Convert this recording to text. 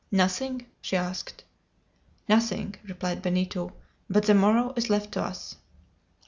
"Nothing?" she asked. "Nothing," replied Benito. "But the morrow is left to us."